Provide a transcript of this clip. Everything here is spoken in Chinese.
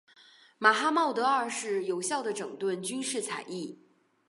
马哈茂德二世有效地整顿军事采邑。